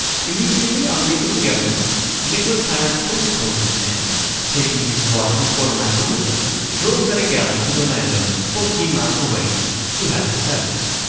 Immediately on leaving the governor's, Nicholas hired post horses and, taking his squadron quartermaster with him, drove at a gallop to the landowner, fourteen miles away, who had the stud.